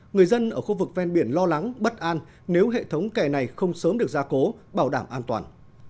người dân ở khu vực ven biển lo lắng bất an nếu hệ thống kè này không sớm được ra cố bảo đảm an toàn